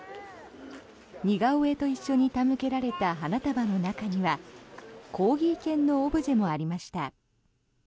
似顔絵と一緒に手向けられた花束の中にはコーギー犬のオブジェもありました。